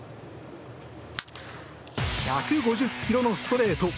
１５０ｋｍのストレート。